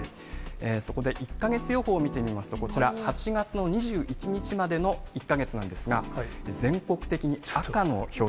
そこで、１か月予報を見てみますとこちら、８月の２１日までの１か月なんですが、全国的に赤の表示。